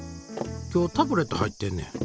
今日タブレット入ってんねん。